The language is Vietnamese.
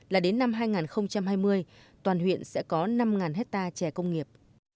là đến năm hai nghìn hai mươi toàn huyện sẽ có năm hectare trẻ công nghiệp